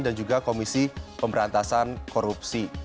dan juga komisi pemberantasan korupsi